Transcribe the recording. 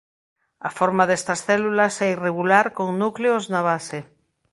A forma destas células é irregular con núcleos na base.